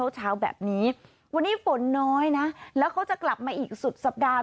เช้าแบบนี้วันนี้ฝนน้อยนะแล้วเขาจะกลับมาอีกสุดสัปดาห์